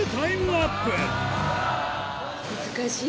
難しい！